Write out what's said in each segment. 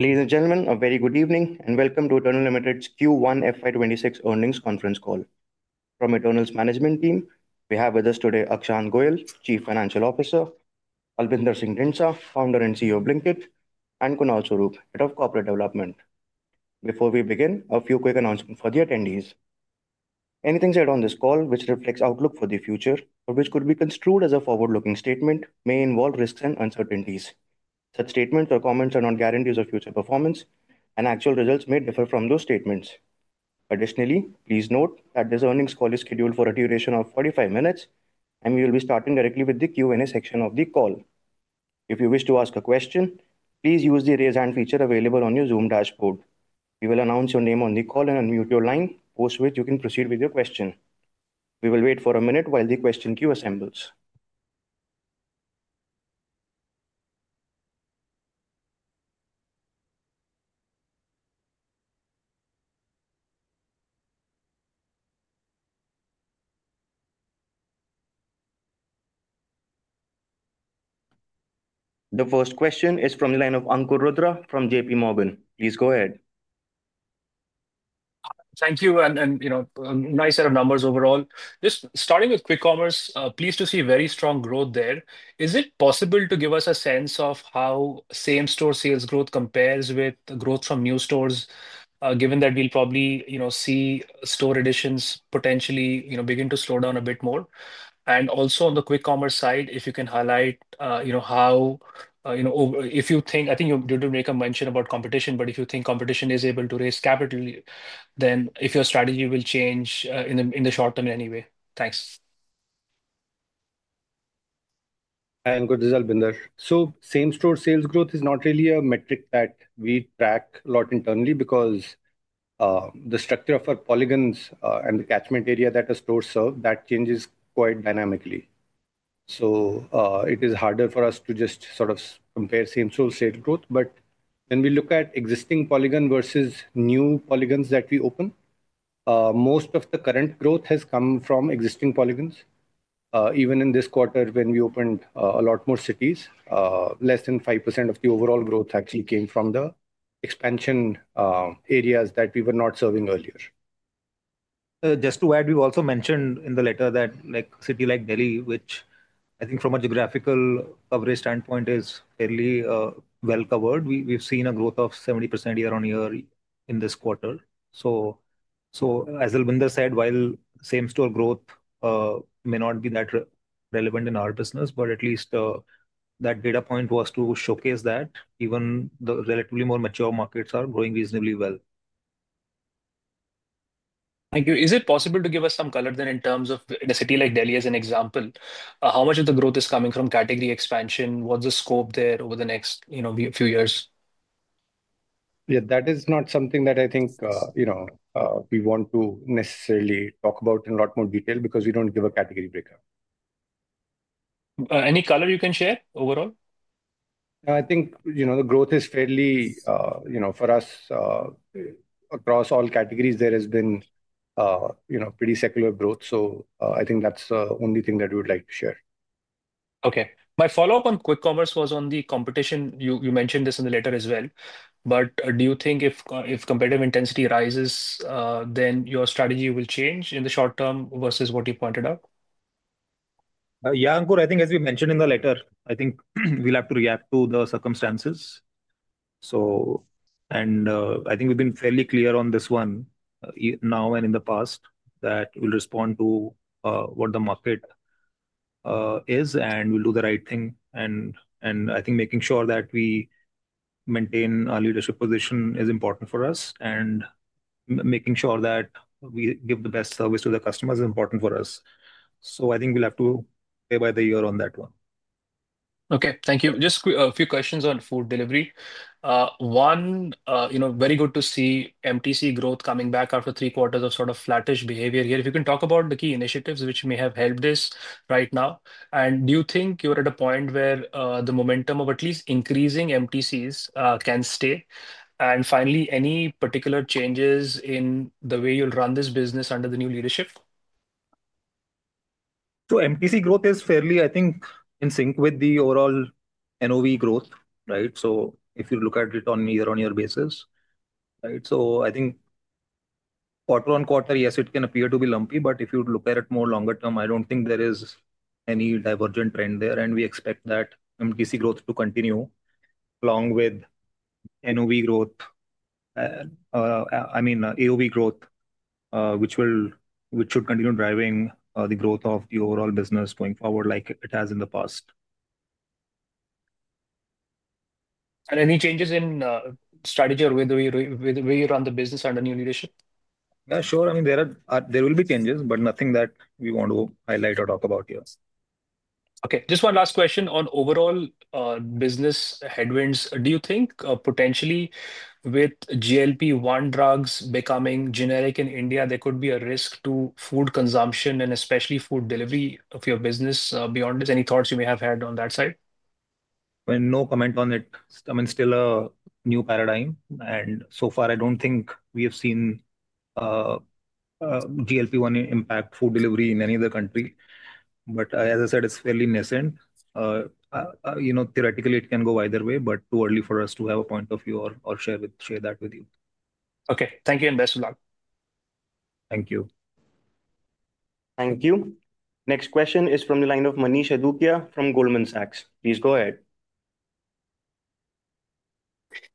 Ladies and gentlemen, a very good evening and welcome to Eternal Limited's Q1 FY 2026 earnings conference call. From Eternal's management team, we have with us today Akshant Goyal, Chief Financial Officer; Albinder Singh Dhindsah, Founder and CEO of Blinkit; and Kunal Swarup, Head of Corporate Development. Before we begin, a few quick announcements for the attendees. Anything said on this call, which reflects outlook for the future or which could be construed as a forward-looking statement, may involve risks and uncertainties. Such statements or comments are not guarantees of future performance, and actual results may differ from those statements. Additionally, please note that this earnings call is scheduled for a duration of 45 minutes, and we will be starting directly with the Q&A section of the call. If you wish to ask a question, please use the raise hand feature available on your Zoom dashboard. We will announce your name on the call and unmute your line, post which you can proceed with your question. We will wait for a minute while the question queue assembles. The first question is from the line of Ankur Rudra from J.P Morgan. Please go ahead. Thank you. You know, nice set of numbers overall. Just starting with quick commerce, pleased to see very strong growth there. Is it possible to give us a sense of how same store sales growth compares with growth from new stores, given that we'll probably, you know, see store additions potentially, you know, begin to slow down a bit more? Also on the quick commerce side, if you can highlight, you know, how, you know, if you think, I think you did make a mention about competition, but if you think competition is able to raise capital, then if your strategy will change in the short term in any way. Thanks. Good result, Binder. Same store sales growth is not really a metric that we track a lot internally because the structure of our polygons and the catchment area that a store serves, that changes quite dynamically. It is harder for us to just sort of compare same store sales growth. When we look at existing polygon versus new polygons that we open, most of the current growth has come from existing polygons. Even in this quarter, when we opened a lot more cities, less than 5% of the overall growth actually came from the expansion. Areas that we were not serving earlier. Just to add, we've also mentioned in the letter that like a city like Delhi, which I think from a geographical coverage standpoint is fairly well covered, we've seen a growth of 70% year on year in this quarter. As Albinder said, while same store growth may not be that relevant in our business, at least that data point was to showcase that even the relatively more mature markets are growing reasonably well. Thank you. Is it possible to give us some color then in terms of a city like Delhi as an example? How much of the growth is coming from category expansion? What's the scope there over the next, you know, few years? Yeah, that is not something that I think, you know, we want to necessarily talk about in a lot more detail because we do not give a category breakup. Any color you can share overall? I think, you know, the growth is fairly, you know, for us. Across all categories, there has been, you know, pretty secular growth. I think that's the only thing that we would like to share. Okay. My follow-up on quick commerce was on the competition. You mentioned this in the letter as well. Do you think if competitive intensity rises, then your strategy will change in the short term versus what you pointed out? Yeah, Ankur, I think as we mentioned in the letter, I think we'll have to react to the circumstances. I think we've been fairly clear on this one now and in the past that we'll respond to what the market is and we'll do the right thing. I think making sure that we maintain our leadership position is important for us and making sure that we give the best service to the customers is important for us. I think we'll have to play by the ear on that one. Okay, thank you. Just a few questions on food delivery. One, you know, very good to see MTC growth coming back after three quarters of sort of flattish behavior here. If you can talk about the key initiatives which may have helped this right now. Do you think you're at a point where the momentum of at least increasing MTCs can stay? Finally, any particular changes in the way you'll run this business under the new leadership? MTC growth is fairly, I think, in sync with the overall NOV growth, right? If you look at it on either on year basis, right? I think quarter-on-quarter, yes, it can appear to be lumpy, but if you look at it more longer term, I do not think there is any divergent trend there. We expect that MTC growth to continue along with NOV growth. I mean, AOV growth, which will, which should continue driving the growth of the overall business going forward like it has in the past. Any changes in strategy or the way you run the business under new leadership? Yeah, sure. I mean, there will be changes, but nothing that we want to highlight or talk about here. Okay. Just one last question on overall business headwinds. Do you think potentially with GLP-1 drugs becoming generic in India, there could be a risk to food consumption and especially food delivery of your business beyond this? Any thoughts you may have had on that side? No comment on it. I mean, still a new paradigm. And so far, I do not think we have seen GLP-1 impact food delivery in any other country. But as I said, it is fairly nascent. You know, theoretically, it can go either way, but too early for us to have a point of view or share that with you. Okay. Thank you and best of luck. Thank you. Thank you. Next question is from the line of Manish Adukia from Goldman Sachs. Please go ahead.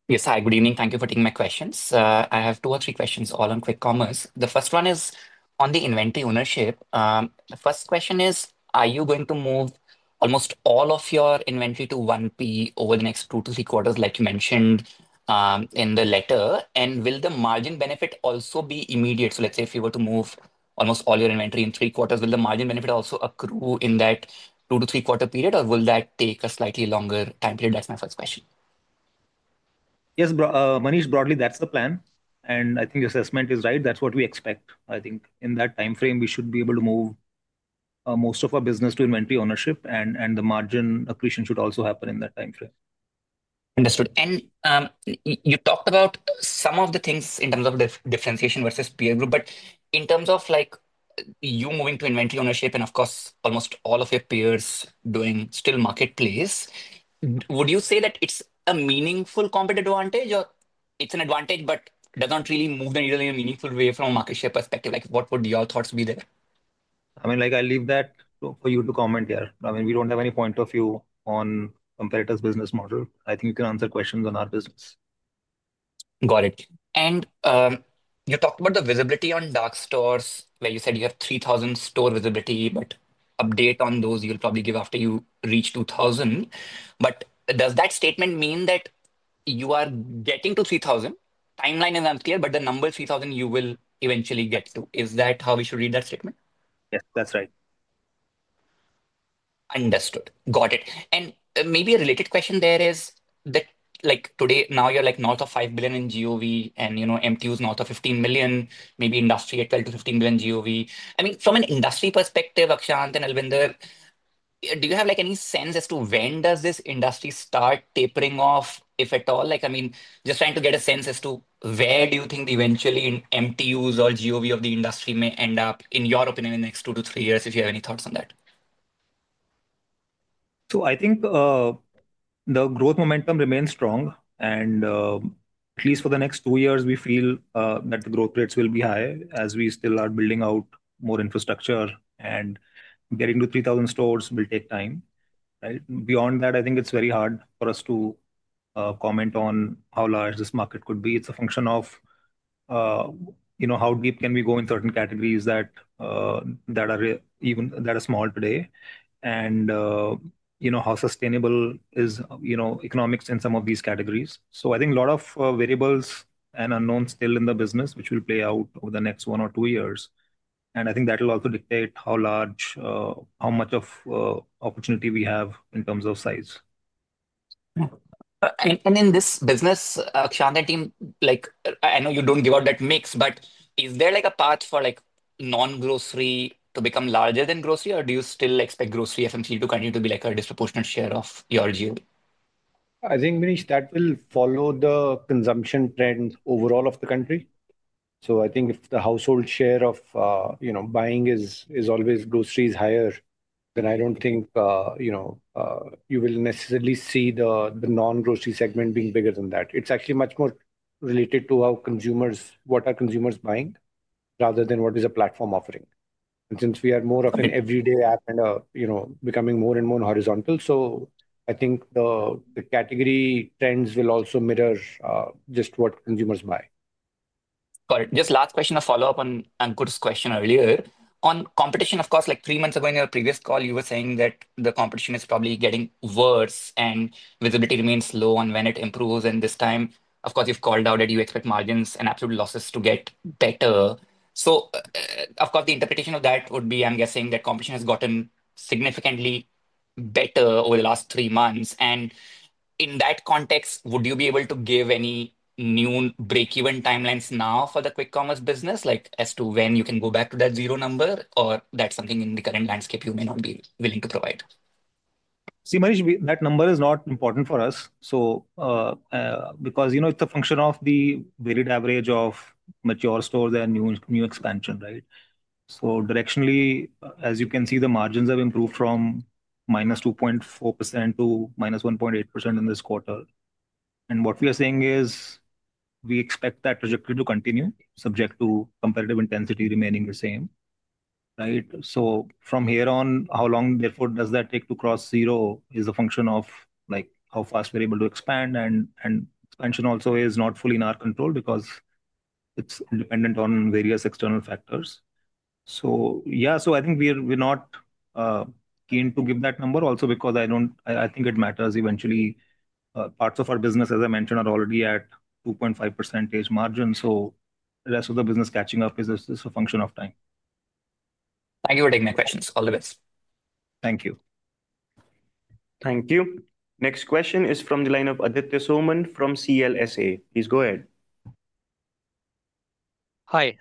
Yes, hi, good evening. Thank you for taking my questions. I have two or three questions all on quick commerce. The first one is on the inventory ownership. The first question is, are you going to move almost all of your inventory to 1P over the next two to three quarters, like you mentioned in the letter? And will the margin benefit also be immediate? Let's say if you were to move almost all your inventory in three quarters, will the margin benefit also accrue in that two to three quarter period, or will that take a slightly longer time period? That's my first question. Yes, Manish, broadly, that's the plan. I think the assessment is right. That's what we expect. I think in that time frame, we should be able to move most of our business to inventory ownership, and the margin accretion should also happen in that time frame. Understood. You talked about some of the things in terms of differentiation versus peer group, but in terms of you moving to inventory ownership and of course almost all of your peers still doing marketplace, would you say that it is a meaningful competitive advantage or it is an advantage but does not really move the needle in a meaningful way from a market share perspective? What would your thoughts be there? I mean, like I leave that for you to comment here. I mean, we do not have any point of view on competitors' business model. I think you can answer questions on our business. Got it. You talked about the visibility on dark stores where you said you have 3,000 store visibility, but update on those you'll probably give after you reach 2,000. Does that statement mean that you are getting to 3,000? Timeline is unclear, but the number is 3,000 you will eventually get to. Is that how we should read that statement? Yes, that's right. Understood. Got it. Maybe a related question there is that like today, now you are like north of $5 billion in GOV and you know MTU is north of 15 million, maybe industry at $12 billion-$15 billion GOV. I mean, from an industry perspective, Akshant and Albinder, do you have like any sense as to when does this industry start tapering off, if at all? Like, I mean, just trying to get a sense as to where do you think eventually MTUs or GOV of the industry may end up, in your opinion, in the next two to three years, if you have any thoughts on that? I think the growth momentum remains strong. At least for the next two years, we feel that the growth rates will be high as we still are building out more infrastructure and getting to 3,000 stores will take time. Right? Beyond that, I think it's very hard for us to comment on how large this market could be. It's a function of, you know, how deep can we go in certain categories that are even small today. You know, how sustainable is, you know, economics in some of these categories? I think a lot of variables and unknowns still in the business, which will play out over the next one or two years. I think that will also dictate how large, how much of opportunity we have in terms of size. In this business, Akshant and team, like I know you don't give out that mix, but is there like a path for like non-grocery to become larger than grocery, or do you still expect grocery essentially to continue to be like a disproportionate share of your GOV? I think, Manish, that will follow the consumption trend overall of the country. I think if the household share of, you know, buying is always groceries higher, then I do not think, you know, you will necessarily see the non-grocery segment being bigger than that. It is actually much more related to how consumers, what are consumers buying rather than what is a platform offering. Since we are more of an everyday app and, you know, becoming more and more horizontal, I think the category trends will also mirror just what consumers buy. Got it. Just last question, a follow-up on Ankur's question earlier. On competition, of course, like three months ago in your previous call, you were saying that the competition is probably getting worse and visibility remains low and when it improves. This time, of course, you've called out that you expect margins and absolute losses to get better. The interpretation of that would be, I'm guessing, that competition has gotten significantly better over the last three months. In that context, would you be able to give any new break-even timelines now for the quick commerce business, like as to when you can go back to that zero number, or that's something in the current landscape you may not be willing to provide? See, Manish, that number is not important for us. Because, you know, it's a function of the varied average of mature stores and new expansion, right? Directionally, as you can see, the margins have improved from -2.4% to -1.8% in this quarter. What we are saying is we expect that trajectory to continue, subject to competitive intensity remaining the same, right? From here on, how long, therefore, does that take to cross zero is a function of like how fast we're able to expand. Expansion also is not fully in our control because it's dependent on various external factors. Yeah, I think we're not keen to give that number also because I don't, I think it matters eventually. Parts of our business, as I mentioned, are already at 2.5% margin. The rest of the business catching up is a function of time. Thank you for taking my questions. All the best. Thank you. Thank you. Next question is from the line of Aditya Soman from CLSA. Please go ahead. Hi.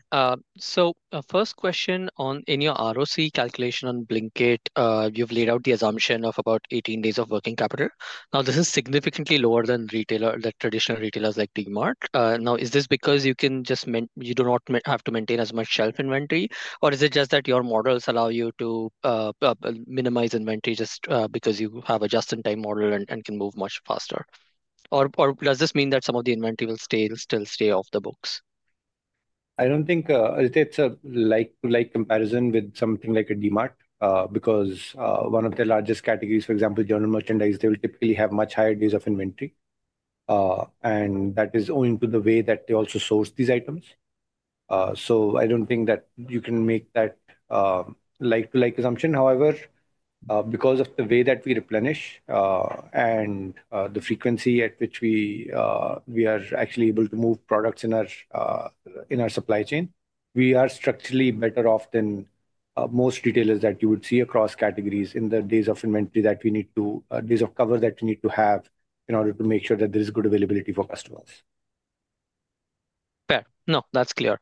First question, on your ROCE calculation on Blinkit, you've laid out the assumption of about 18 days of working capital. This is significantly lower than traditional retailers like DMart. Is this because you do not have to maintain as much shelf inventory, or is it just that your models allow you to minimize inventory just because you have a just-in-time model and can move much faster? Or does this mean that some of the inventory will still stay off the books? I don't think it's a like-to-like comparison with something like a DMart because one of the largest categories, for example, general merchandise, they will typically have much higher days of inventory. That is owing to the way that they also source these items. I don't think that you can make that like-to-like assumption. However, because of the way that we replenish and the frequency at which we are actually able to move products in our supply chain, we are structurally better off than most retailers that you would see across categories in the days of inventory that we need to, days of cover that we need to have in order to make sure that there is good availability for customers. Fair. No, that's clear.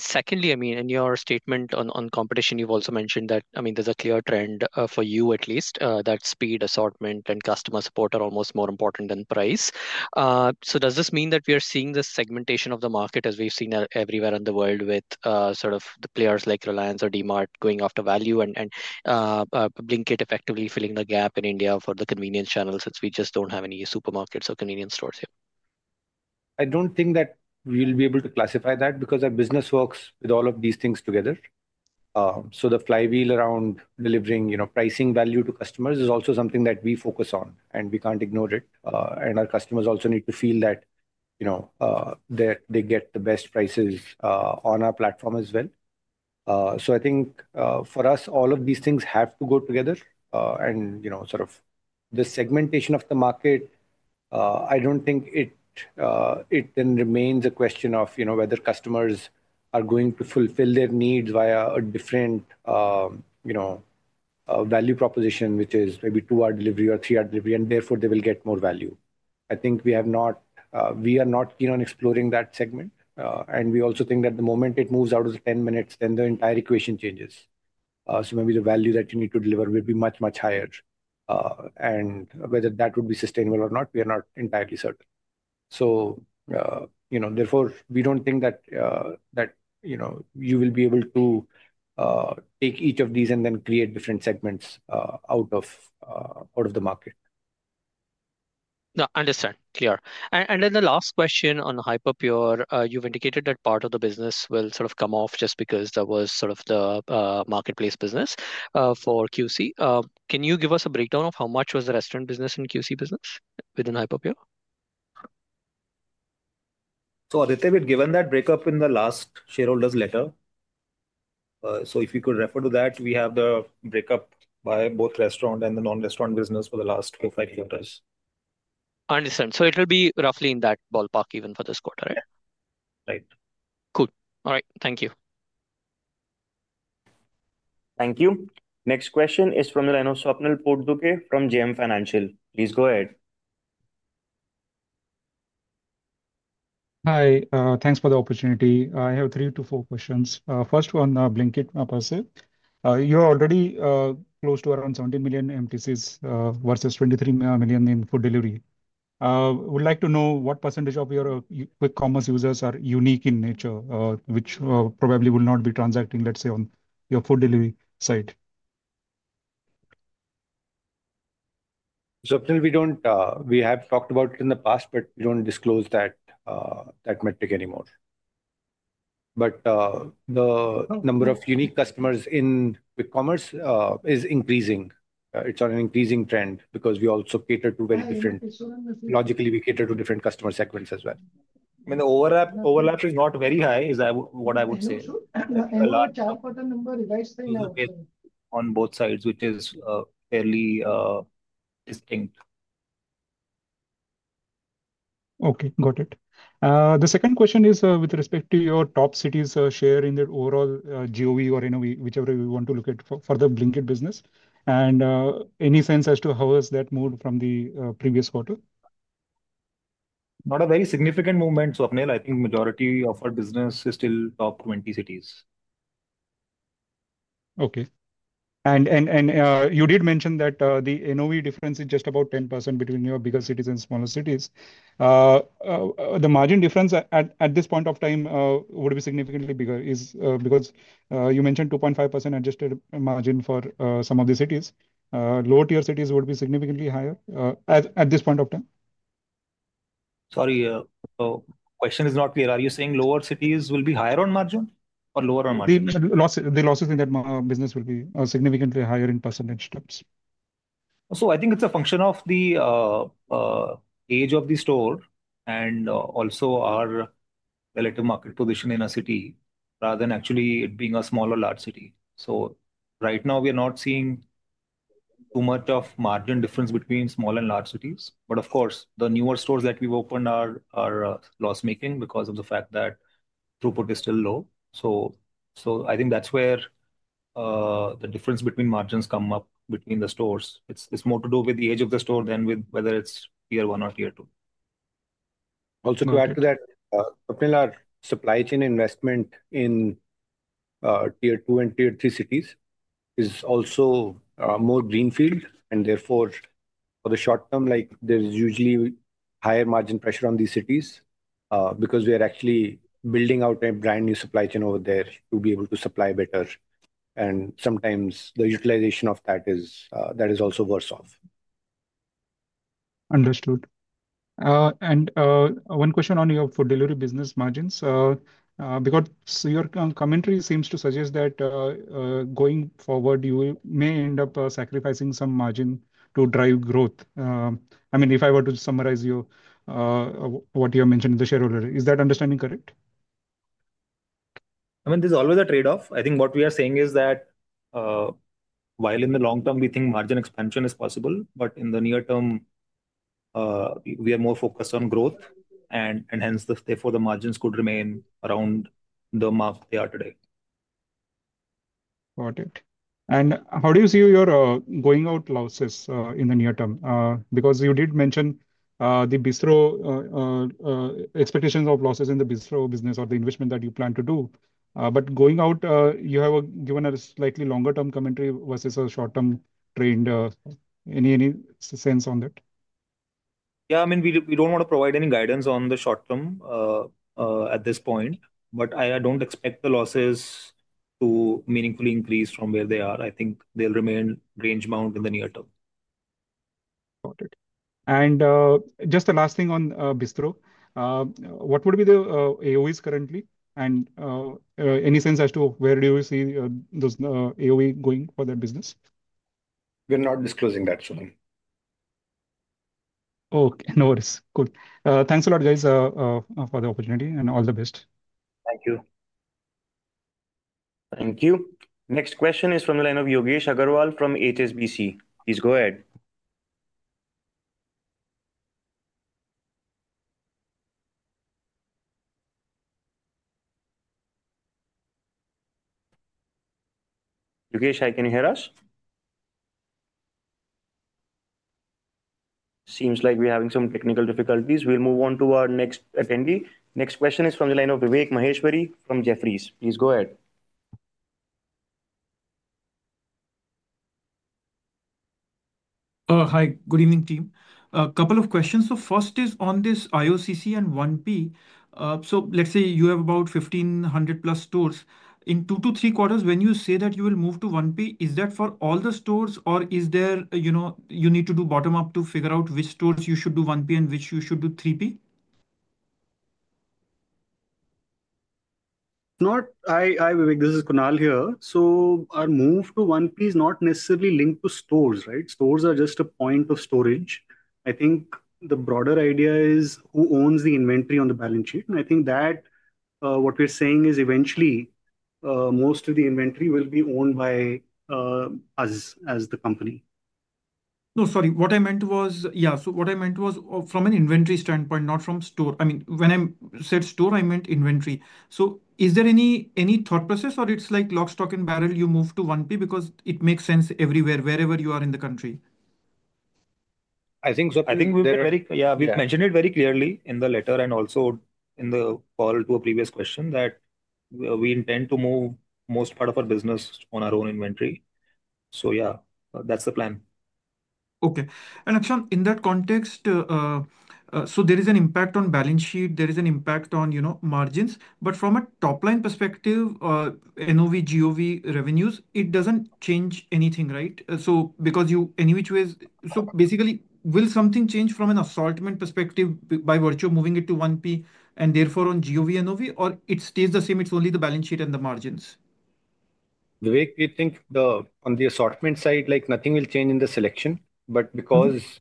Secondly, I mean, in your statement on competition, you've also mentioned that, I mean, there's a clear trend for you at least, that speed, assortment, and customer support are almost more important than price. Does this mean that we are seeing the segmentation of the market as we've seen everywhere in the world with sort of the players like Reliance or DMart going after value and Blinkit effectively filling the gap in India for the convenience channels since we just don't have any supermarkets or convenience stores here? I don't think that we'll be able to classify that because our business works with all of these things together. The flywheel around delivering, you know, pricing value to customers is also something that we focus on and we can't ignore it. Our customers also need to feel that, you know, they get the best prices on our platform as well. I think for us, all of these things have to go together. You know, sort of the segmentation of the market, I don't think it then remains a question of, you know, whether customers are going to fulfill their needs via a different, you know, value proposition, which is maybe two-hour delivery or three-hour delivery, and therefore they will get more value. I think we have not, we are not keen on exploring that segment. We also think that the moment it moves out of the 10 minutes, then the entire equation changes. Maybe the value that you need to deliver will be much, much higher. Whether that would be sustainable or not, we are not entirely certain. You know, therefore, we don't think that, you know, you will be able to take each of these and then create different segments out of the market. No, understood. Clear. The last question on Hyperpure, you've indicated that part of the business will sort of come off just because there was sort of the marketplace business for QC. Can you give us a breakdown of how much was the restaurant business and QC business within Hyperpure? Aditya, we've given that breakup in the last shareholders' letter. If you could refer to that, we have the breakup by both restaurant and the non-restaurant business for the last four, five quarters. Understood. So it will be roughly in that ballpark even for this quarter, right? Right. Cool. All right. Thank you. Thank you. Next question is from the line of Swapnil Potdukhe from JM Financial. Please go ahead. Hi. Thanks for the opportunity. I have three to four questions. First one on Blinkit, my person. You're already close to around 17 million MTCs versus 23 million in food delivery. I would like to know what % of your quick commerce users are unique in nature, which probably will not be transacting, let's say, on your food delivery side? Swapnil, we don't, we have talked about it in the past, but we don't disclose that metric anymore. The number of unique customers in quick commerce is increasing. It's on an increasing trend because we also cater to very different, logically, we cater to different customer segments as well. I mean, the overlap is not very high is what I would say. On both sides, which is fairly distinct. Okay. Got it. The second question is with respect to your top cities' share in the overall GOV or NOV, whichever you want to look at for the Blinkit business. Any sense as to how has that moved from the previous quarter? Not a very significant movement, Swapnil. I think majority of our business is still top 20 cities. Okay. You did mention that the NOV difference is just about 10% between your bigger cities and smaller cities. The margin difference at this point of time would be significantly bigger because you mentioned 2.5% adjusted margin for some of the cities. Lower-tier cities would be significantly higher at this point of time? Sorry. The question is not clear. Are you saying lower cities will be higher on margin or lower on margin? The losses in that business will be significantly higher in percentage terms. I think it's a function of the age of the store and also our relative market position in a city rather than actually it being a small or large city. Right now, we are not seeing too much of margin difference between small and large cities. Of course, the newer stores that we've opened are loss-making because of the fact that throughput is still low. I think that's where the difference between margins comes up between the stores. It's more to do with the age of the store than with whether it's tier one or tier two. Also, to add to that, Swapnil, Eternal supply chain investment in tier two and tier three cities is also more greenfield, and therefore, for the short term, there's usually higher margin pressure on these cities because we are actually building out a brand new supply chain over there to be able to supply better. Sometimes the utilization of that is also worse off. Understood. One question on your food delivery business margins. Because your commentary seems to suggest that, going forward, you may end up sacrificing some margin to drive growth. I mean, if I were to summarize what you have mentioned in the shareholder, is that understanding correct? I mean, there's always a trade-off. I think what we are saying is that while in the long term, we think margin expansion is possible, but in the near term, we are more focused on growth and hence therefore the margins could remain around the marks they are today. Got it. How do you see your going out losses in the near term? You did mention the Bistro. Expectations of losses in the Bistro business or the investment that you plan to do. Going out, you have given a slightly longer-term commentary versus a short-term trend. Any sense on that? Yeah, I mean, we don't want to provide any guidance on the short term at this point, but I don't expect the losses to meaningfully increase from where they are. I think they'll remain range-bound in the near term. Got it. And just the last thing on Bistro. What would be the AOVs currently? And any sense as to where do you see those AOV going for that business? We're not disclosing that, Swapnil. Okay. No worries. Cool. Thanks a lot, guys, for the opportunity and all the best. Thank you. Thank you. Next question is from the line of Yogesh Agarwal from HSBC. Please go ahead. Yogesh, can you hear us? Seems like we're having some technical difficulties. We'll move on to our next attendee. Next question is from the line of Vivek Maheshwari from Jefferies. Please go ahead. Hi. Good evening, team. A couple of questions. First is on this IOCC and 1P. Let's say you have about 1,500 plus stores. In two to three quarters, when you say that you will move to 1P, is that for all the stores or is there, you know, you need to do bottom-up to figure out which stores you should do 1P and which you should do 3P? Not, hi, Vivek, this is Kunal here. Our move to 1P is not necessarily linked to stores, right? Stores are just a point of storage. I think the broader idea is who owns the inventory on the balance sheet. I think that what we're saying is eventually most of the inventory will be owned by us as the company. No, sorry. What I meant was, yeah, so what I meant was from an inventory standpoint, not from store. I mean, when I said store, I meant inventory. Is there any thought process or it's like lock, stock, and barrel, you move to 1P because it makes sense everywhere, wherever you are in the country? I think we've mentioned it very clearly in the letter and also in the call to a previous question that we intend to move most part of our business on our own inventory. So yeah, that's the plan. Okay. Akshant, in that context, there is an impact on balance sheet. There is an impact on, you know, margins. From a top-line perspective, NOV, GOV, revenues, it does not change anything, right? You, in which ways, basically, will something change from an assortment perspective by virtue of moving it to 1P and therefore on GOV, NOV, or it stays the same? It is only the balance sheet and the margins. Vivek, we think on the assortment side, like nothing will change in the selection. Because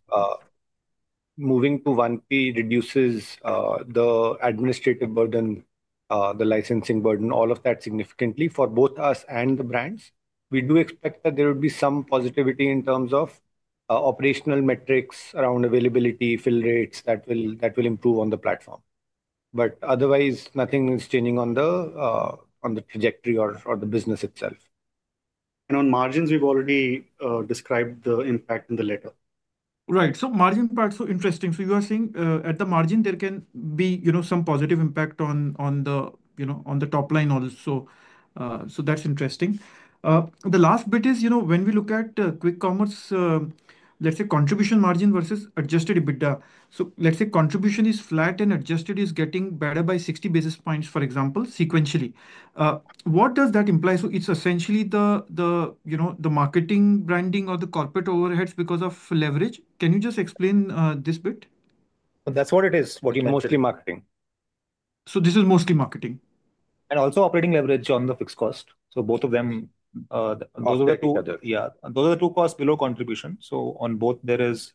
moving to 1P reduces the administrative burden, the licensing burden, all of that significantly for both us and the brands, we do expect that there would be some positivity in terms of operational metrics around availability, fill rates that will improve on the platform. Otherwise, nothing is changing on the trajectory or the business itself. On margins, we've already described the impact in the letter. Right. So margin part, so interesting. You are saying at the margin, there can be, you know, some positive impact on the top line also. That is interesting. The last bit is, you know, when we look at quick commerce, let's say contribution margin versus adjusted EBITDA. Let's say contribution is flat and adjusted is getting better by 60 basis points, for example, sequentially. What does that imply? It is essentially the marketing, branding, or the corporate overheads because of leverage. Can you just explain this bit? That's what it is, what you mostly marketing. This is mostly marketing. is also operating leverage on the fixed cost. Both of them, yeah, those are the two costs below contribution. On both, there is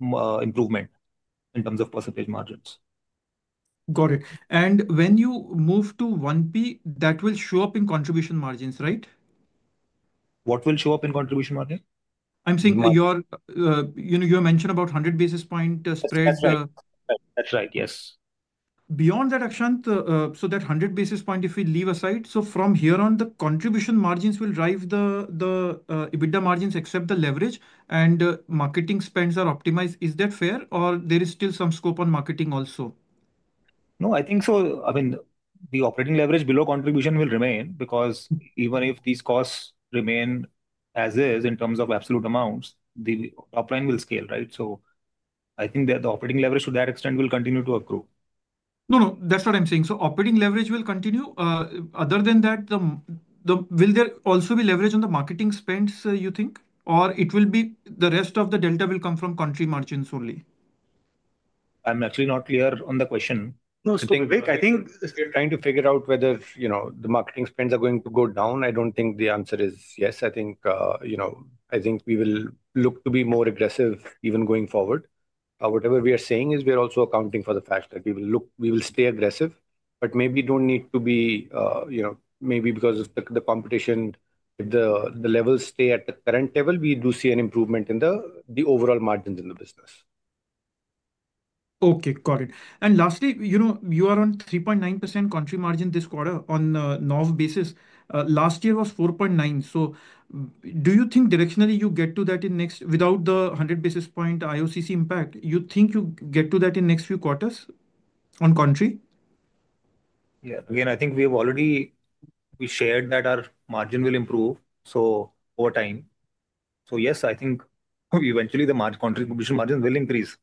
improvement in terms of percentage margins. Got it. When you move to 1P, that will show up in contribution margins, right? What will show up in contribution margin? I'm saying your, you know, you mentioned about 100 basis point spreads. That's right. Yes. Beyond that, Akshant, so that 100 basis point, if we leave aside, from here on, the contribution margins will drive the EBITDA margins except the leverage and marketing spends are optimized. Is that fair or there is still some scope on marketing also? No, I think so. I mean, the operating leverage below contribution will remain because even if these costs remain as is in terms of absolute amounts, the top line will scale, right? I think that the operating leverage to that extent will continue to accrue. No, no, that's what I'm saying. Operating leverage will continue. Other than that, will there also be leverage on the marketing spends, you think? Or will the rest of the delta come from contribution margins only? I'm actually not clear on the question. No, Vivek, I think. We're trying to figure out whether, you know, the marketing spends are going to go down. I don't think the answer is yes. I think, you know, I think we will look to be more aggressive even going forward. Whatever we are saying is we are also accounting for the fact that we will look, we will stay aggressive, but maybe do not need to be, you know, maybe because of the competition, if the levels stay at the current level, we do see an improvement in the overall margins in the business. Okay, got it. Lastly, you know, you are on 3.9% contribution margin this quarter on the NOV basis. Last year was 4.9%. Do you think directionally you get to that in next, without the 100 basis point IOCC impact, you think you get to that in next few quarters on contribution? Yeah. Again, I think we have already, we shared that our margin will improve over time. Yes, I think eventually the contribution margins will increase.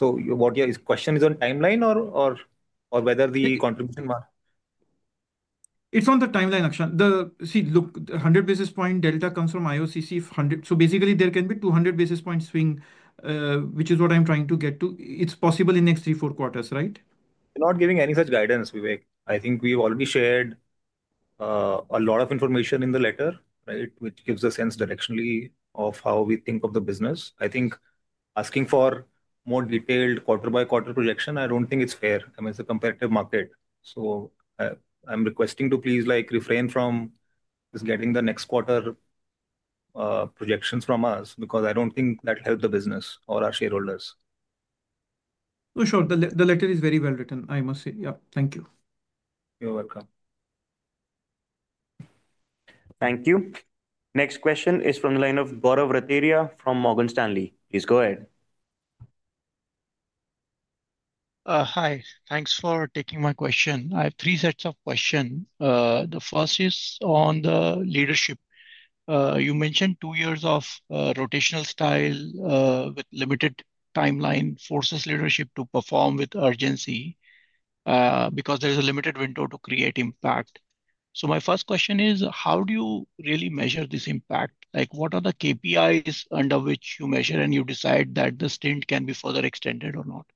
What your question is on timeline or whether the contribution margin. It's on the timeline, Akshant. See, look, 100 basis point delta comes from IOCC 100. So basically, there can be 200 basis point swing, which is what I'm trying to get to. It's possible in next three, four quarters, right? We're not giving any such guidance, Vivek. I think we've already shared a lot of information in the letter, right, which gives a sense directionally of how we think of the business. I think asking for more detailed quarter-by-quarter projection, I don't think it's fair. I mean, it's a competitive market. I'm requesting to please like refrain from getting the next quarter projections from us because I don't think that will help the business or our shareholders. For sure. The letter is very well written, I must say. Yeah. Thank you. You're welcome. Thank you. Next question is from the line of Gaurav Rateria from Morgan Stanley. Please go ahead. Hi. Thanks for taking my question. I have three sets of questions. The first is on the leadership. You mentioned two years of rotational style with limited timeline forces leadership to perform with urgency. Because there is a limited window to create impact. So my first question is, how do you really measure this impact? Like what are the KPIs under which you measure and you decide that the stint can be further extended or not?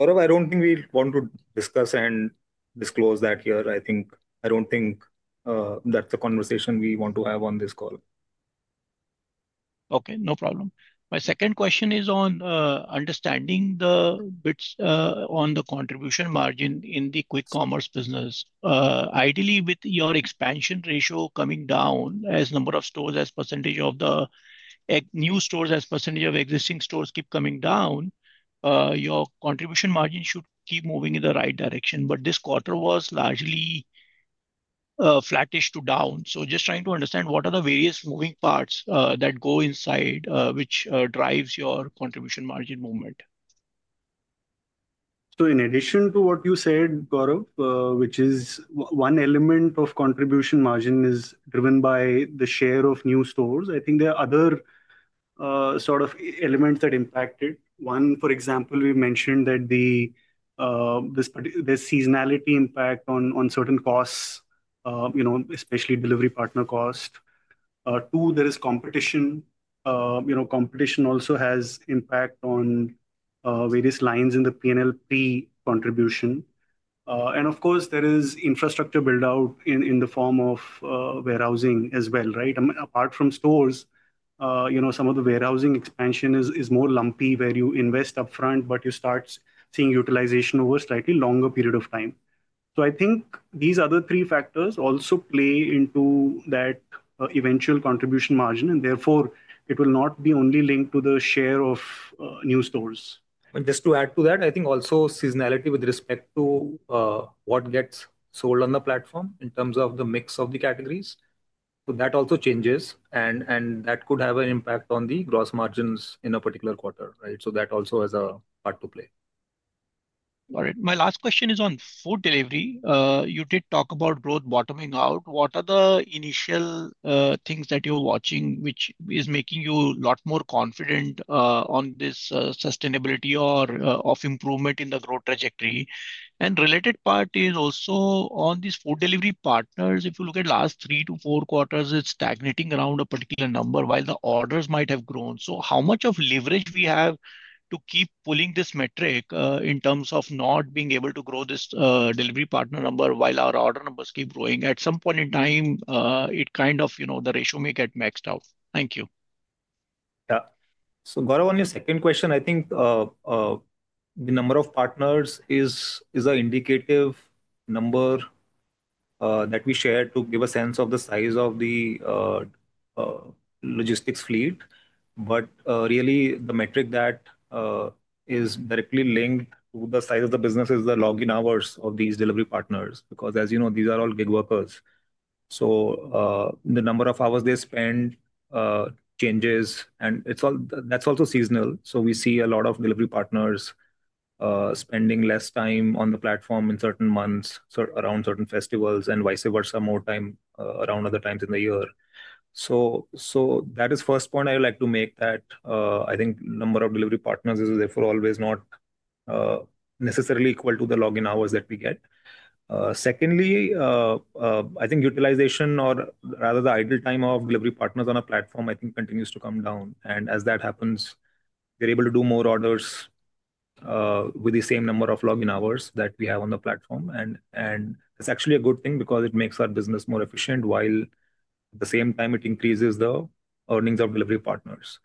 I don't think we want to discuss and disclose that here. I don't think that's the conversation we want to have on this call. Okay. No problem. My second question is on understanding the bits on the contribution margin in the quick commerce business. Ideally, with your expansion ratio coming down as number of stores, as percentage of the new stores, as percentage of existing stores keep coming down, your contribution margin should keep moving in the right direction. This quarter was largely flattish to down. Just trying to understand what are the various moving parts that go inside which drives your contribution margin movement. In addition to what you said, Gaurav, which is one element of contribution margin is driven by the share of new stores, I think there are other sort of elements that impact it. One, for example, we mentioned that the seasonality impact on certain costs, you know, especially delivery partner cost. Two, there is competition. You know, competition also has impact on various lines in the P&L pre-contribution. Of course, there is infrastructure build-out in the form of warehousing as well, right? Apart from stores, you know, some of the warehousing expansion is more lumpy where you invest upfront, but you start seeing utilization over a slightly longer period of time. I think these other three factors also play into that eventual contribution margin, and therefore it will not be only linked to the share of new stores. Just to add to that, I think also seasonality with respect to what gets sold on the platform in terms of the mix of the categories. That also changes, and that could have an impact on the gross margins in a particular quarter, right? That also has a part to play. Got it. My last question is on food delivery. You did talk about growth bottoming out. What are the initial things that you're watching which is making you a lot more confident on this sustainability or of improvement in the growth trajectory? The related part is also on these food delivery partners. If you look at the last three to four quarters, it's stagnating around a particular number while the orders might have grown. How much of leverage do we have to keep pulling this metric in terms of not being able to grow this delivery partner number while our order numbers keep growing? At some point in time, it kind of, you know, the ratio may get maxed out. Thank you. Yeah. So Gaurav, on your second question, I think the number of partners is an indicative number that we share to give a sense of the size of the logistics fleet. But really, the metric that is directly linked to the size of the business is the login hours of these delivery partners. Because as you know, these are all gig workers. The number of hours they spend changes, and that's also seasonal. We see a lot of delivery partners spending less time on the platform in certain months, around certain festivals, and vice versa, more time around other times in the year. That is the first point I would like to make, that I think the number of delivery partners is therefore always not necessarily equal to the login hours that we get. Secondly, I think utilization, or rather the idle time of delivery partners on a platform, continues to come down. As that happens, they're able to do more orders with the same number of login hours that we have on the platform. That's actually a good thing because it makes our business more efficient while at the same time it increases the earnings of delivery partners.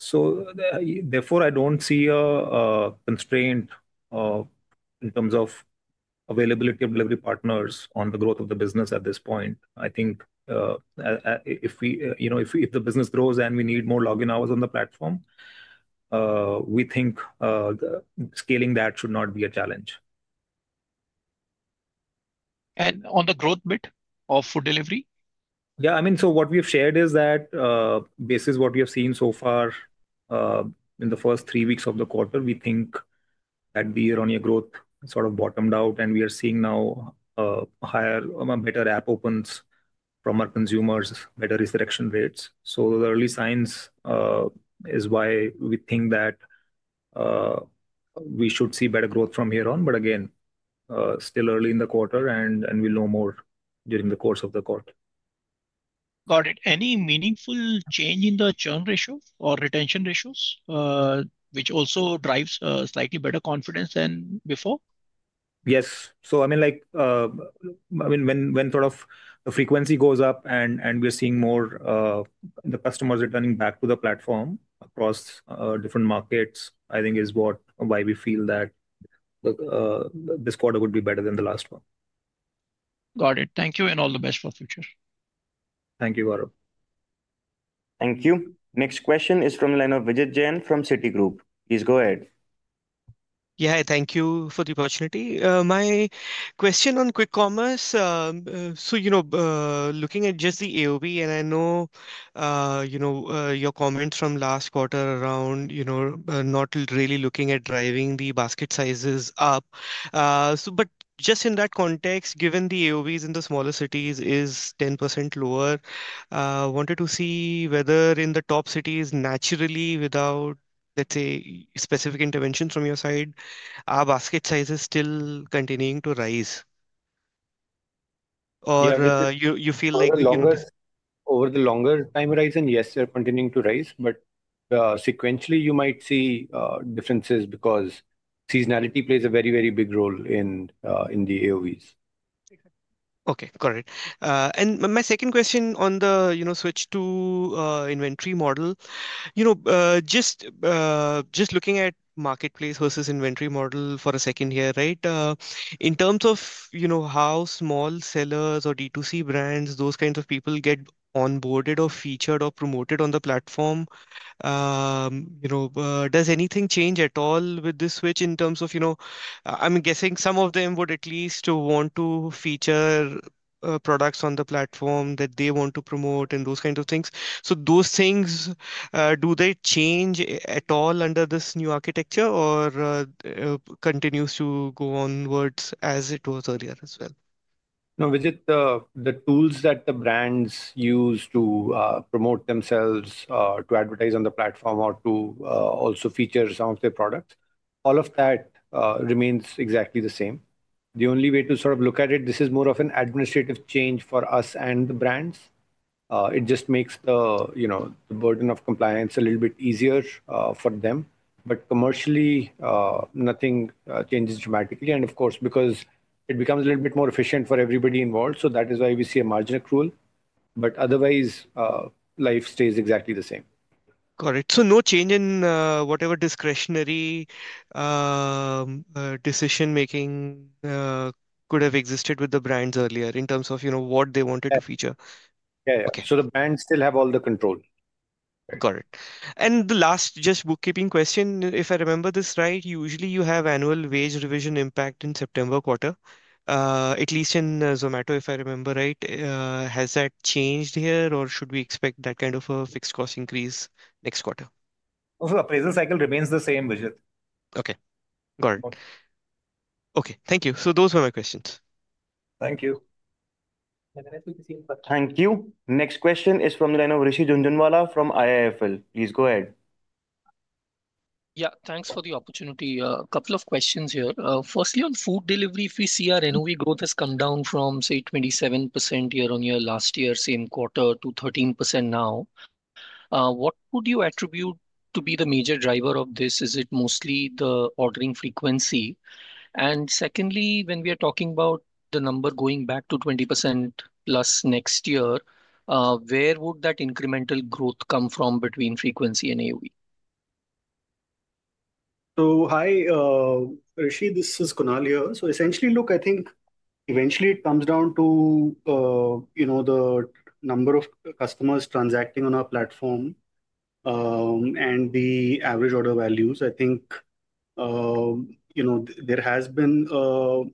Therefore, I don't see a constraint in terms of availability of delivery partners on the growth of the business at this point. I think if the business grows and we need more login hours on the platform, we think scaling that should not be a challenge. On the growth bit of food delivery? Yeah, I mean, so what we have shared is that, basis what we have seen so far, in the first three weeks of the quarter, we think that the underlying growth sort of bottomed out, and we are seeing now a higher, a better app opens from our consumers, better redirection rates. The early signs is why we think that we should see better growth from here on. Again, still early in the quarter, and we'll know more during the course of the quarter. Got it. Any meaningful change in the churn ratio or retention ratios? Which also drives slightly better confidence than before? Yes. I mean, like, I mean, when sort of the frequency goes up and we're seeing more, the customers returning back to the platform across different markets, I think is why we feel that this quarter would be better than the last one. Got it. Thank you and all the best for the future. Thank you, Gaurav. Thank you. Next question is from the line of Vijit Jain from Citigroup. Please go ahead. Yeah, thank you for the opportunity. My question on quick commerce. So you know, looking at just the AOV, and I know. You know your comments from last quarter around, you know, not really looking at driving the basket sizes up. But just in that context, given the AOVs in the smaller cities is 10% lower, I wanted to see whether in the top cities, naturally, without, let's say, specific interventions from your side, are basket sizes still continuing to rise? Or you feel like you know. Over the longer time horizon, yes, they're continuing to rise, but sequentially, you might see differences because seasonality plays a very, very big role in the AOVs. Okay, got it. My second question on the, you know, switch to inventory model. You know, just looking at marketplace versus inventory model for a second here, right? In terms of, you know, how small sellers or D2C brands, those kinds of people get onboarded or featured or promoted on the platform. You know, does anything change at all with this switch in terms of, you know, I'm guessing some of them would at least want to feature products on the platform that they want to promote and those kinds of things. Those things, do they change at all under this new architecture or continues to go onwards as it was earlier as well? No, Vijit, the tools that the brands use to promote themselves, to advertise on the platform, or to also feature some of their products, all of that remains exactly the same. The only way to sort of look at it, this is more of an administrative change for us and the brands. It just makes the, you know, the burden of compliance a little bit easier for them. Commercially, nothing changes dramatically. Of course, because it becomes a little bit more efficient for everybody involved, that is why we see a margin accrual. Otherwise, life stays exactly the same. Got it. So no change in whatever discretionary decision-making could have existed with the brands earlier in terms of, you know, what they wanted to feature? Yeah, yeah. So the brands still have all the control. Got it. The last just bookkeeping question, if I remember this right, usually you have annual wage revision impact in September quarter, at least in Zomato, if I remember right. Has that changed here or should we expect that kind of a fixed cost increase next quarter? Also, the appraisal cycle remains the same, Vijit. Okay. Got it. Okay, thank you. So those were my questions. Thank you. Thank you. Next question is from the line of Rishi Jhunjhunwala from IIFL. Please go ahead. Yeah, thanks for the opportunity. A couple of questions here. Firstly, on food delivery, if we see our NOV growth has come down from, say, 27% year-on-year last year, same quarter to 13% now. What would you attribute to be the major driver of this? Is it mostly the ordering frequency? Secondly, when we are talking about the number going back to 20% plus next year, where would that incremental growth come from between frequency and AOV? Hi. Rishi, this is Kunal here. Essentially, look, I think eventually it comes down to, you know, the number of customers transacting on our platform and the average order values. I think, you know, there has been,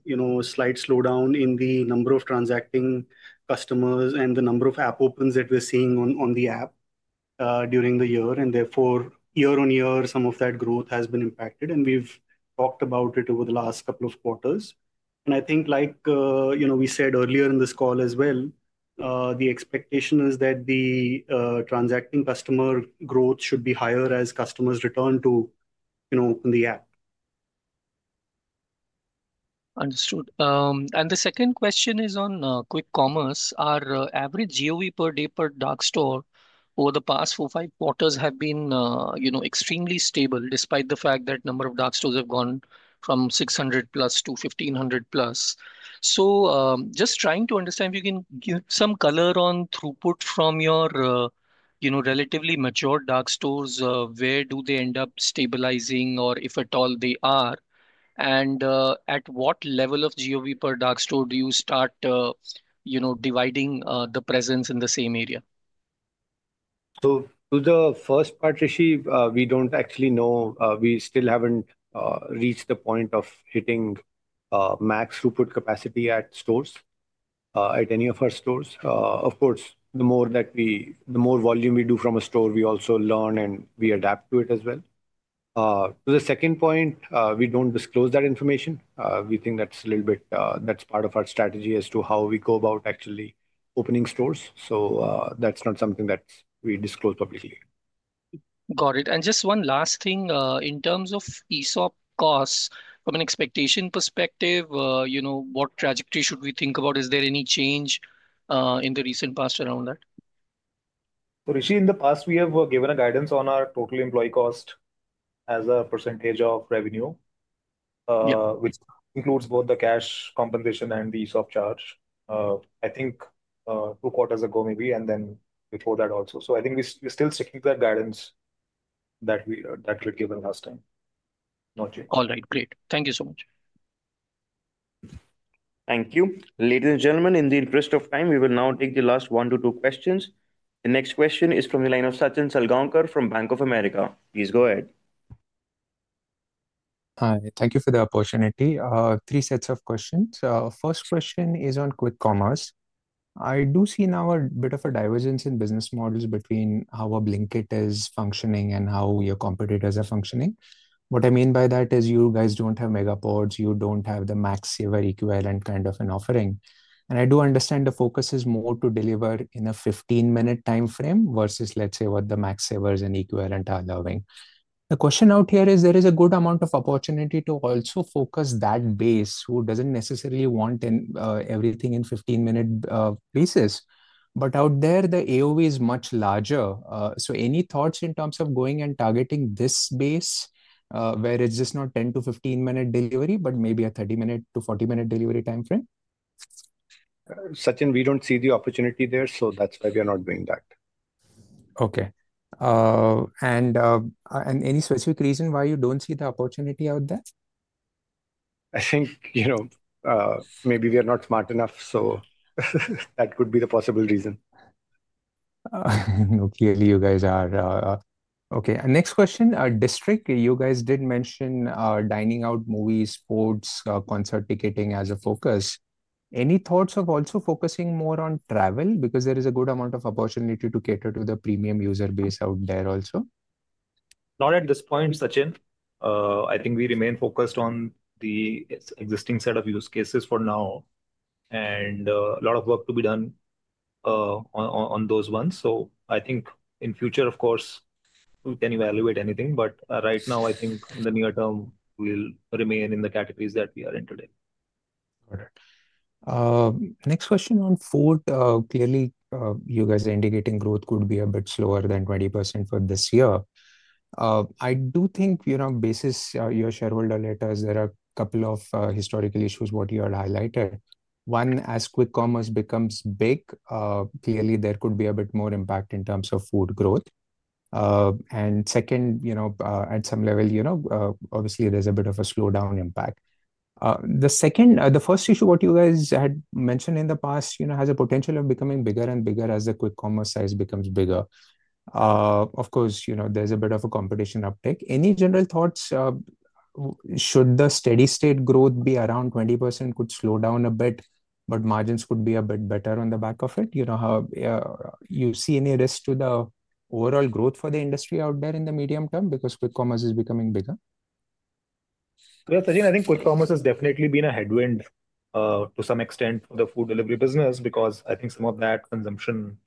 you know, a slight slowdown in the number of transacting customers and the number of app opens that we're seeing on the app during the year. Therefore, year-on-year, some of that growth has been impacted. We've talked about it over the last couple of quarters. I think, like, you know, we said earlier in this call as well, the expectation is that the transacting customer growth should be higher as customers return to, you know, the app. Understood. The second question is on quick commerce. Our average GOV per day per dark store over the past four, five quarters have been, you know, extremely stable despite the fact that the number of dark stores have gone from 600 plus to 1,500 plus. Just trying to understand if you can give some color on throughput from your, you know, relatively mature dark stores, where do they end up stabilizing or if at all they are? At what level of GOV per dark store do you start, you know, dividing the presence in the same area? To the first part, Rishi, we do not actually know. We still have not reached the point of hitting max throughput capacity at stores, at any of our stores. Of course, the more volume we do from a store, we also learn and we adapt to it as well. To the second point, we do not disclose that information. We think that is a little bit, that is part of our strategy as to how we go about actually opening stores. That is not something that we disclose publicly. Got it. And just one last thing. In terms of ESOP costs, from an expectation perspective, you know, what trajectory should we think about? Is there any change in the recent past around that? Rishi, in the past, we have given a guidance on our total employee cost as a percentage of revenue, which includes both the cash compensation and the ESOP charge. I think two quarters ago maybe, and then before that also. I think we're still sticking to that guidance that we were given last time. All right, great. Thank you so much. Thank you. Ladies and gentlemen, in the interest of time, we will now take the last one to two questions. The next question is from the line of Sachin Salgaonkar from Bank of America. Please go ahead. Hi, thank you for the opportunity. Three sets of questions. First question is on quick commerce. I do see now a bit of a divergence in business models between how a Blinkit is functioning and how your competitors are functioning. What I mean by that is you guys do not have mega pods, you do not have the max server equivalent kind of an offering. I do understand the focus is more to deliver in a 15-minute time frame versus, let's say, what the max servers and equivalent are delivering. The question out here is there is a good amount of opportunity to also focus that base who does not necessarily want everything in 15-minute basis. Out there, the AOV is much larger. Any thoughts in terms of going and targeting this base, where it is just not 10-15 minute delivery, but maybe a 30-minute to 40-minute delivery time frame? Sajan, we don't see the opportunity there, so that's why we are not doing that. Okay. Any specific reason why you don't see the opportunity out there? I think, you know, maybe we are not smart enough, so that could be the possible reason. Clearly, you guys are. Okay, next question, you guys did mention dining out, movies, sports, concert ticketing as a focus. Any thoughts of also focusing more on travel? Because there is a good amount of opportunity to cater to the premium user base out there also. Not at this point, Sajan. I think we remain focused on the existing set of use cases for now. A lot of work to be done on those ones. I think in future, of course, we can evaluate anything, but right now, I think in the near term, we'll remain in the categories that we are in today. Got it. Next question on food. Clearly, you guys are indicating growth could be a bit slower than 20% for this year. I do think, you know, basis your shareholder letters, there are a couple of historical issues what you had highlighted. One, as quick commerce becomes big, clearly there could be a bit more impact in terms of food growth. And second, you know, at some level, you know, obviously there's a bit of a slowdown impact. The second, the first issue what you guys had mentioned in the past, you know, has a potential of becoming bigger and bigger as the quick commerce size becomes bigger. Of course, you know, there's a bit of a competition uptake. Any general thoughts. Should the steady state growth be around 20%, could slow down a bit, but margins could be a bit better on the back of it? You know, how. You see any risk to the overall growth for the industry out there in the medium term because quick commerce is becoming bigger? Sajan, I think quick commerce has definitely been a headwind to some extent for the food delivery business because I think some of that consumption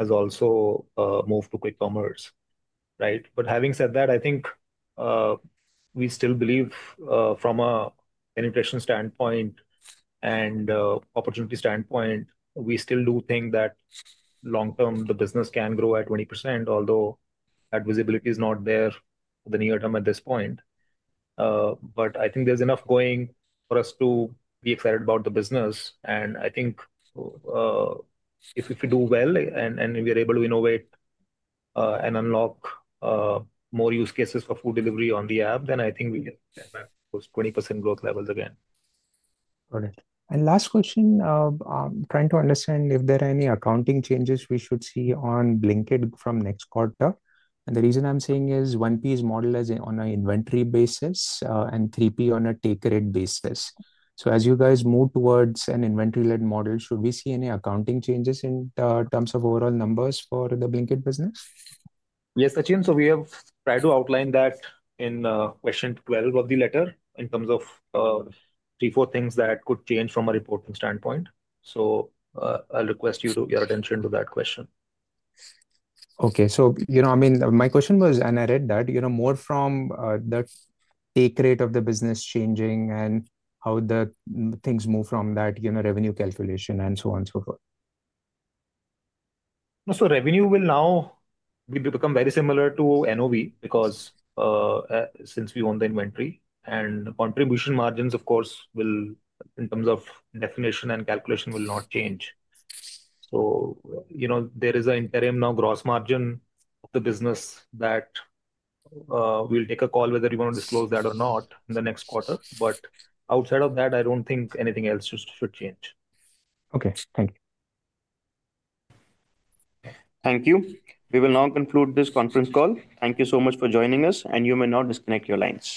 has also moved to quick commerce, right? Having said that, I think we still believe from a penetration standpoint and opportunity standpoint, we still do think that long term, the business can grow at 20%, although that visibility is not there for the near term at this point. I think there is enough going for us to be excited about the business. I think if we do well and we are able to innovate and unlock more use cases for food delivery on the app, then I think we can post 20% growth levels again. Got it. Last question, I'm trying to understand if there are any accounting changes we should see on Blinkit from next quarter. The reason I'm saying is 1P is modeled as on an inventory basis and 3P on a take rate basis. As you guys move towards an inventory-led model, should we see any accounting changes in terms of overall numbers for the Blinkit business? Yes, Sajan, so we have tried to outline that in question 12 of the letter in terms of three or four things that could change from a reporting standpoint. I'll request you to your attention to that question. Okay, so you know, I mean, my question was, and I read that, you know, more from the take rate of the business changing and how the things move from that, you know, revenue calculation and so on and so forth. Revenue will now become very similar to NOV because since we own the inventory and contribution margins, of course, will in terms of definition and calculation will not change. You know, there is an interim now gross margin of the business that we'll take a call whether you want to disclose that or not in the next quarter. Outside of that, I do not think anything else should change. Okay, thank you. Thank you. We will now conclude this conference call. Thank you so much for joining us, and you may now disconnect your lines.